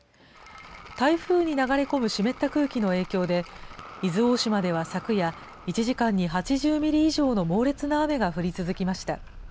台風に流れ込む湿った空気の影響で、伊豆大島では昨夜、１時間に８０ミリ以上の猛烈な雨が降り続きました。